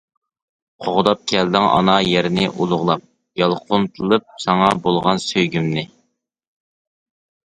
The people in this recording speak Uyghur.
قوغداپ كەلدىڭ ئانا يەرنى ئۇلۇغلاپ، يالقۇنلىتىپ ساڭا بولغان سۆيگۈمنى.